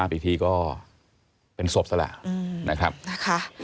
๓ปีทีก็เป็นศพแล้วละนะคะ